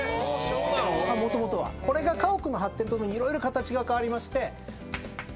これが家屋の発展とともに色々形が変わりまして。